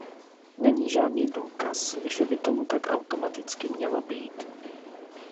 Není žádný důkaz, že by tomu tak automaticky mělo být.